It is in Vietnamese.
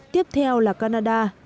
tiếp theo là canada